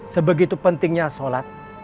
sebegitu pentingnya sholat